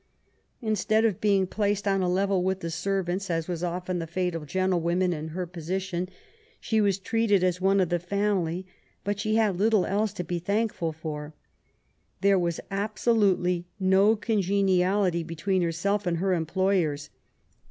Instead of being placed on a level with the servants, as was often the fate of gentlewomen in her position, she was treated as one of the family, but she had little else to be thankful for. There was absolutely no congeniality between herself and her employers.